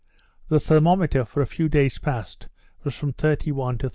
The thermometer for a few days past was from 31 to 36.